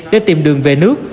để tìm đường về nước